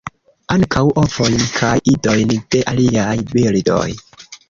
Ankaŭ ovojn kaj idojn de aliaj birdoj.